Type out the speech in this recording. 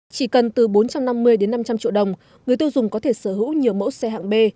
chỉ cần từ bốn trăm năm mươi đến năm trăm linh triệu đồng người tiêu dùng có thể sở hữu nhiều mẫu xe hạng b